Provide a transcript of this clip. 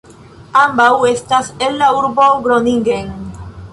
Ambaŭ estas el la urbo Groningen.